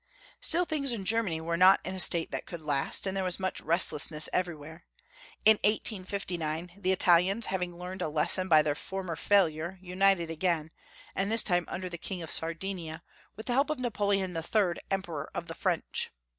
Still things in Germany were not in a state that could last, and there was much restlessness every where. In 1859 the Italians, having learned a lesson by their former failure, united again, and this time under the King of Sardinia, with the help of Napoleon III., Emperor of the French.